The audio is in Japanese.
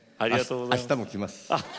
あしたも来ます。